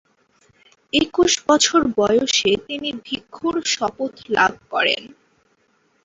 একুশ বছর বয়সে তিনি ভিক্ষুর শপথ লাভ করেন।